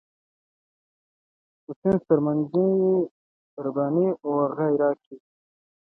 په سنن ترمذي، طبراني وغيره کي